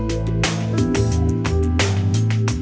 ชื่อฟอยแต่ไม่ใช่แฟง